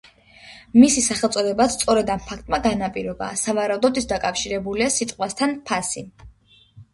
მისი სახელწოდებაც სწორედ ამ ფაქტმა განაპირობა, სავარაუდოდ ის დაკავშირებული სიტყვასთან „ფასი“.